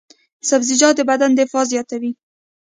سبزیجات د بدن دفاع زیاتوي.